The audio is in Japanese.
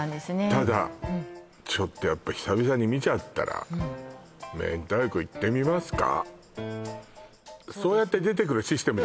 ただちょっとやっぱり久々に見ちゃったら明太子いってみますか？